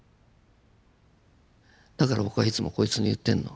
だから僕はいつもこいつに言ってんの。